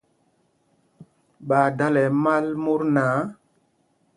Ɓaa dala ɛmal mot náǎ.